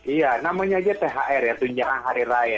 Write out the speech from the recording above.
iya namanya aja thr ya tunjangan hari raya